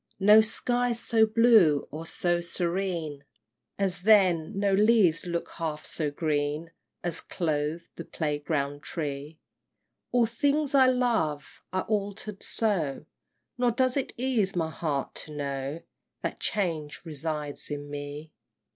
IX. No skies so blue or so serene As then; no leaves look half so green As clothed the playground tree! All things I loved are altered so, Nor does it ease my heart to know That change resides in me!